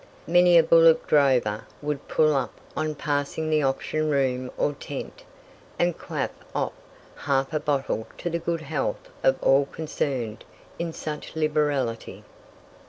Many a bullock drover would pull up on passing the auction room or tent, and quaff off half a bottle to the good health of all concerned in such liberality.